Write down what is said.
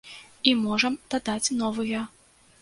І можам дадаць новыя.